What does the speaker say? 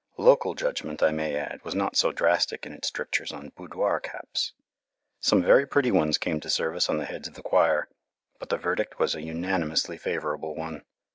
Local judgment, I may add, was not so drastic in its strictures on boudoir caps. Some very pretty ones came to service on the heads of the choir, but the verdict was a unanimously favourable one.